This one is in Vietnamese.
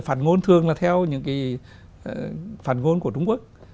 phản ngôn thường là theo những phản ngôn của trung quốc